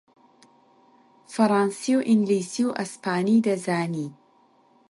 فەڕانسی و ئینگلیسی و ئەسپانی دەزانی